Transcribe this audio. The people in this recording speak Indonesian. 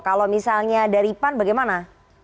kalau misalnya daripan bagaimana